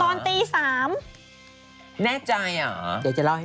ตอนตี๓แน่ใจเหรอ